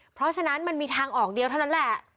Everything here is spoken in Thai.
เพราะฉะนั้นมันมีทางออกเดียวเท่านั้นแหละ